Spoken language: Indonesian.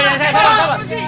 bawa ke polisi